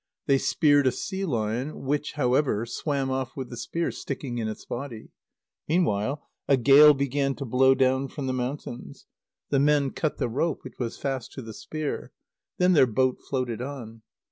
They speared a sea lion, which, however, swam off with the spear sticking in its body. Meanwhile a gale began to blow down from the mountains. The men cut the rope which was fast to the spear. Then their boat floated on.